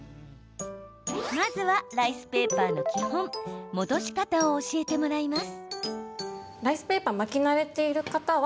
まずはライスペーパーの基本戻し方を教えてもらいます。